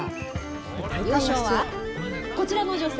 優勝はこちらの女性。